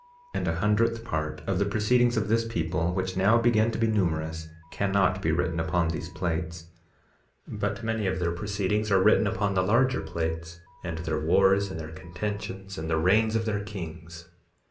3:13 And a hundredth part of the proceedings of this people, which now began to be numerous, cannot be written upon these plates; but many of their proceedings are written upon the larger plates, and their wars, and their contentions, and the reigns of their kings.